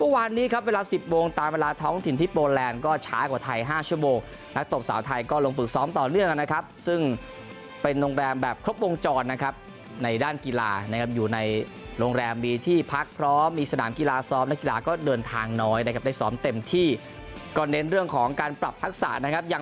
เมื่อวานนี้ครับเวลาสิบโมงตามเวลาท้องถิ่นที่โปแลนด์ก็ช้ากว่าไทย๕ชั่วโมงนักตบสาวไทยก็ลงฝึกซ้อมต่อเนื่องนะครับซึ่งเป็นโรงแรมแบบครบวงจรนะครับในด้านกีฬานะครับอยู่ในโรงแรมมีที่พักพร้อมมีสนามกีฬาซ้อมนักกีฬาก็เดินทางน้อยนะครับได้ซ้อมเต็มที่ก็เน้นเรื่องของการปรับทักษะนะครับยัง